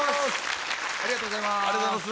ありがとうございます。